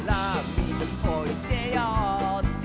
「みにおいでよって」